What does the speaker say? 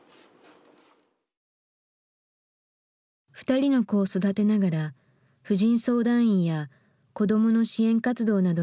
２人の子を育てながら婦人相談員や子どもの支援活動などに奔走。